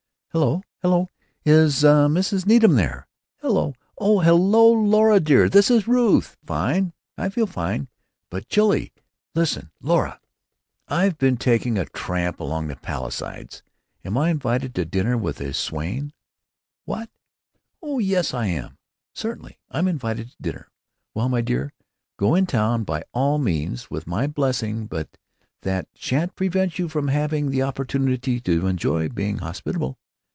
"Hello, hello! Is Mrs. Needham there?... Hello!... Oh, hel lo, Laura dear. This is Ruth. I.... Fine. I feel fine. But chillery. Listen, Laura; I've been taking a tramp along the Palisades. Am I invited to dinner with a swain?... What?... Oh yes, I am; certainly I'm invited to dinner.... Well, my dear, go in town by all means, with my blessing; but that sha'n't prevent you from having the opportunity to enjoy being hospitable....